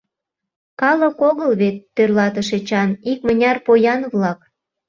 — Калык огыл вет, — тӧрлатыш Эчан, — икмыняр поян-влак.